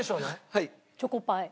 はい。